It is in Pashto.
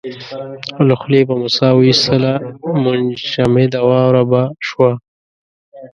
له خولې به مو ساه واېستله منجمده واوره به شوه.